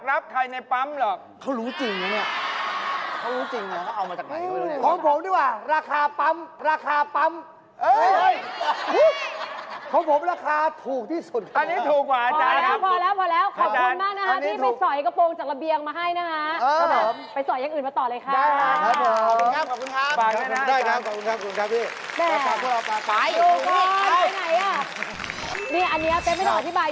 อันนี้เฟฟให้เราอธิบายเยอะครับ